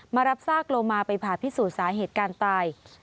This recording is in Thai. มารับซากโลมาไปผ่าพิสูจน์สาเหตุการตาย